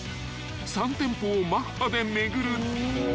［３店舗をマッハで巡る］